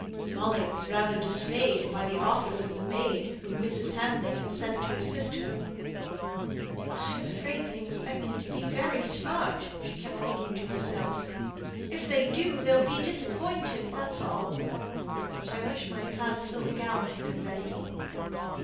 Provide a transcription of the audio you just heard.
Molly was rather dismayed by the offers of the maid whom Mrs. Hamley had sent to assist her. "I am afraid they expect me to be very smart," she kept thinking to herself. "If they do, they'll be disappointed; that's all. But I wish my plaid silk gown had been ready."